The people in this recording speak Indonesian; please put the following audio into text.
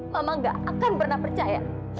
mama gak akan pernah percaya